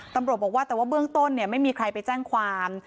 ตำรวจบอกว่าแต่ว่าเบื้องต้นไม่มีใครไปแจ้งความ